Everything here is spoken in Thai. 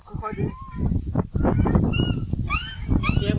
สวัสดีครับ